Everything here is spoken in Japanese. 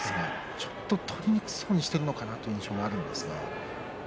ちょっと取りにくそうにしているのかなという印象もあります。